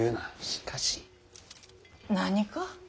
しかし。何か？